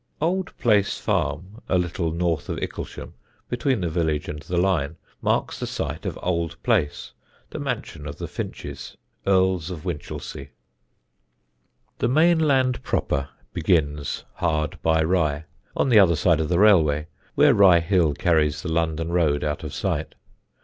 Old Place farm, a little north of Icklesham, between the village and the line, marks the site of Old Place, the mansion of the Fynches, earls of Winchelsea. [Sidenote: PLAYDEN AND IDEN] The mainland proper begins hard by Rye, on the other side of the railway, where Rye Hill carries the London road out of sight.